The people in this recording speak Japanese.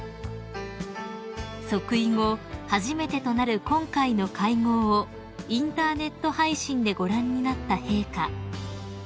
［即位後初めてとなる今回の会合をインターネット配信でご覧になった陛下］